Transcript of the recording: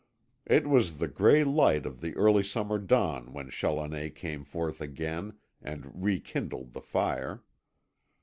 It was in the gray light of the early summer dawn when Challoner came forth again, and rekindled the fire.